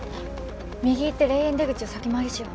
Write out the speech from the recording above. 右行って霊園出口を先回りしよう。